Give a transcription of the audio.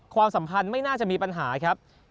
ความสำคัญไม่น่าจะมีปัญหาครับ